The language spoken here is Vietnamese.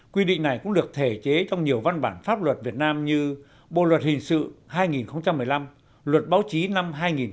quy định này cũng được thể chế trong nhiều văn bản pháp luật việt nam như bộ luật hình sự hai nghìn một mươi năm luật báo chí năm hai nghìn một mươi bảy